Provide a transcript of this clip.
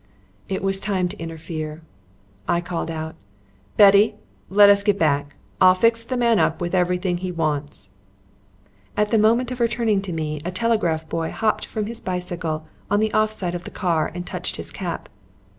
It was time to interfere. I called out: "Betty, let us get back. I'll fix the man up with everything he wants." At the moment of her turning to me a telegraph boy hopped from his bicycle on the off side of the ear and touched his cap.